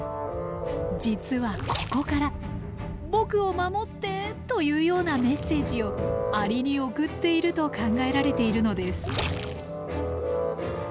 実はここから僕を守ってというようなメッセージをアリに送っていると考えられているのです。